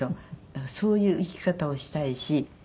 だからそういう生き方をしたいし。